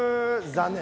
残念。